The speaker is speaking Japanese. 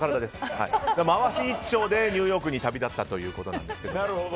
まわし一丁でニューヨークに旅立ったということなんですけど。